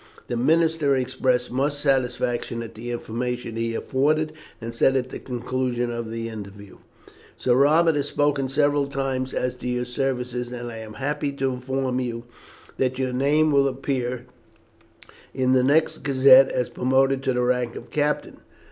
The minister expressed much satisfaction at the information he afforded, and said at the conclusion of the interview: "Sir Robert has spoken several times as to your services, and I am happy to inform you that your name will appear in the next gazette as promoted to the rank of captain.